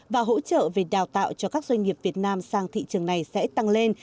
và hỗ trợ về đào tạo cho các doanh nghiệp việt nam sang thị trường này sẽ tăng lên